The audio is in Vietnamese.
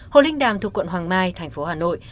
hồ linh đàm thuộc quận hoàng mai thành phố hà nội